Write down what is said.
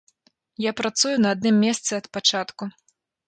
Я працую на адным месцы ад пачатку.